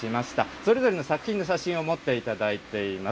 それぞれの作品の写真を持っていただいています。